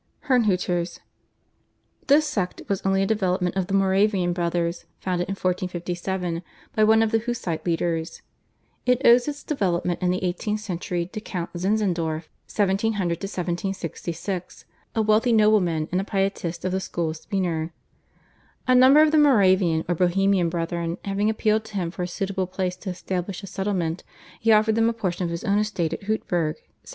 /Herrnhuters/. This sect was only a development of the Moravian Brothers founded in 1457 by one of the Hussite leaders. It owes its development in the eighteenth century to Count Zinzendorf (1700 1760), a wealthy nobleman and a Pietist of the school of Spener. A number of the Moravian or Bohemian Brethren having appealed to him for a suitable place to establish a settlement, he offered them portion of his estate at Hutberg (1722).